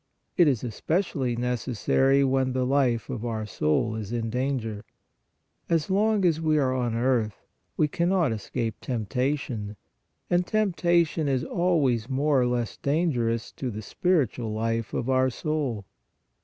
It is especially necessary when the life of our soul is in danger. As long as we are on earth we cannot escape temptation, and tempta tion is always more or less dangerous to the spir itual life of our soul.